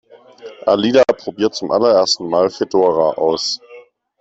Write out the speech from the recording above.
Alida probiert zum allerersten Mal Fedora aus.